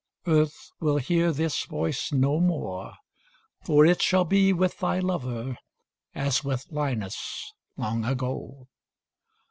Earth will hear this voice no more; 10 For it shall be with thy lover As with Linus long ago.